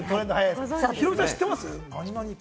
ヒロミさん、知ってます？